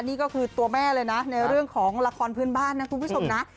นี่ก็คือตัวแม่เลยนะในเรื่องของละครพื้นบ้านนะคุณผู้ชมนะ